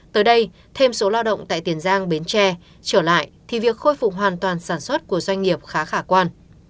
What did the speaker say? tới đây thêm số lao động tại tiền giang bến tre trở lại thì việc khôi phục hoàn toàn sản xuất của doanh nghiệp khá khả quan